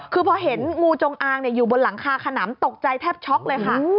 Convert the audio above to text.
คือพอเห็นงูจงอางอยู่บนหลังคาขนำตกใจแทบช็อกเลยค่ะ